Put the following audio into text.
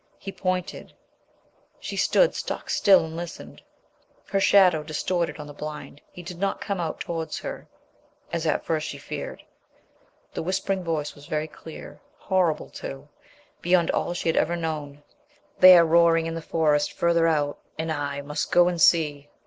He pointed. She stood stock still and listened, her shadow distorted on the blind. He did not come out towards her as at first she feared. The whispering voice was very clear, horrible, too, beyond all she had ever known. "They are roaring in the Forest further out... and I... must go and see."